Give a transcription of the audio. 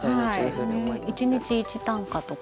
１日１短歌とか。